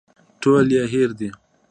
ټول يې هېر دي.